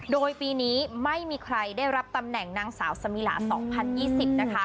โดยปีนี้ไม่มีใครได้รับตำแหน่งนางสาวสมิลา๒๐๒๐นะคะ